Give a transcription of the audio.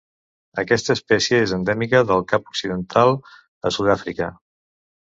Aquesta espècie és endèmica del Cap Occidental a Sud-àfrica.